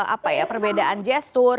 apa ya perbedaan gestur